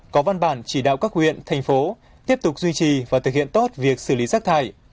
có văn bản chỉ đạo các huyện thành phố tiếp tục duy trì và thực hiện tốt việc xử lý rác thải